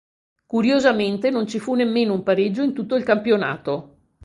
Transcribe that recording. Curiosamente non ci fu nemmeno un pareggio in tutto il campionato.